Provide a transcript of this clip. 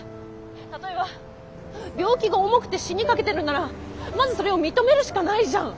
例えば病気が重くて死にかけてるんならまずそれを認めるしかないじゃん。